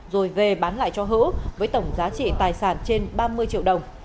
rồi về bán lại cho hữu với tổng giá trị tài sản trên ba mươi triệu đồng